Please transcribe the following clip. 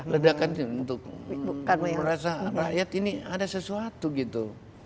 ledakan untuk merasa rakyat ini ada sesuatu gitu